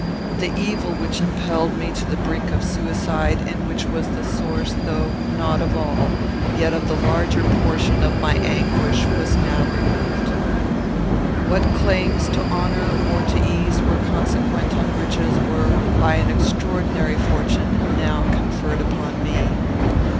The evil which impelled me to the brink of suicide, and which was the source, though not of all, yet of the larger portion, of my anguish, was now removed. What claims to honour or to ease were consequent on riches were, by an extraordinary fortune, now conferred upon me.